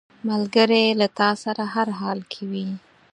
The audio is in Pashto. ملګری له تا سره هر حال کې وي